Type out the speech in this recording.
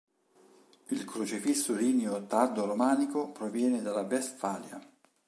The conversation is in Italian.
Il crocifisso ligneo tardo romanico proviene dalla Westfalia.